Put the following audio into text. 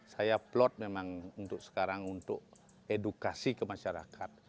saya plot memang untuk sekarang untuk edukasi ke masyarakat